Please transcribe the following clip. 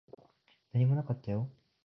何もなかったよ。